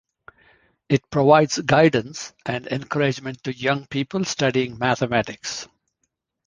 It provides guidance and encouragement to young people studying mathematics.